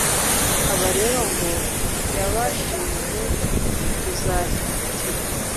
Aba rero ngo yabashinze kuzashyigikira